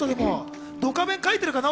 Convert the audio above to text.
『ドカベン』描いてるかな？